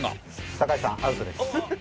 酒井さんアウトです。